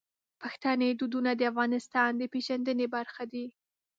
پښتني دودونه د افغانستان د پیژندنې برخه دي.